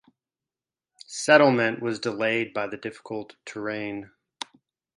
Settlement was delayed by the difficult terrain.